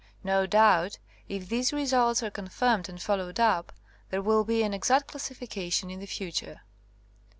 No doubt, if these results are confirmed and followed up, there will be an exact classi fication in the future.